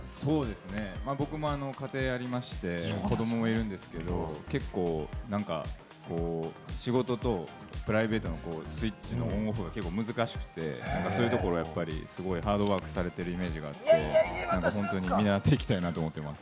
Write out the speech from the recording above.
僕も家庭がありまして、子どもいるんですけれども、結構、仕事とプライベートのスイッチのオン・オフが結構難しくて、そういうところはやっぱりすごいハードワークされてるイメージがあって、本当に見習っていきたいなと思ってます。